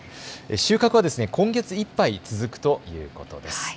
収穫は今月いっぱい続くということです。